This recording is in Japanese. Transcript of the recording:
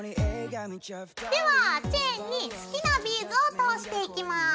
ではチェーンに好きなビーズを通していきます。